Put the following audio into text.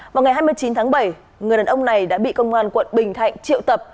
vào ngày hai mươi chín tháng bảy người đàn ông này đã bị công an quận bình thạnh triệu tập